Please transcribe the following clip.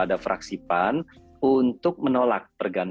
ada diakun yang ohir untuk dipengurusi ekoran